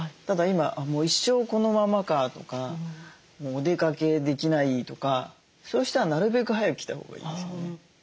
ただ今「もう一生このままか」とかもうお出かけできないとかそういう人はなるべく早く来たほうがいいですよね。